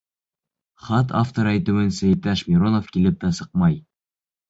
Хат авторы әйтеүенсә, «иптәш Миронов килеп тә сыҡмай».